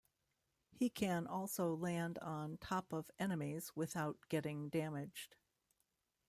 He can also land on top of enemies without getting damaged.